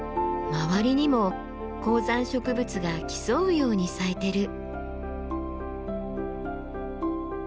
周りにも高山植物が競うように咲いてる。